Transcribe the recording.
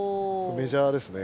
メジャーですね。